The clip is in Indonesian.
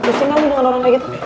pusing ga lu dengan orang kayak gitu